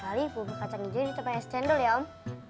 lain kali bubur kacang ini jadi temen yang secendol ya om